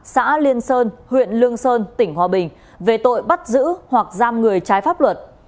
xã liên sơn huyện lương sơn tỉnh hòa bình về tội bắt giữ hoặc giam người trái pháp luật